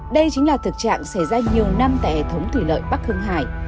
đây chính là thực trạng xảy ra nhiều năm tại hệ thống thủy lợi bắc hương hải